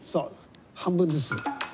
半分ずつ。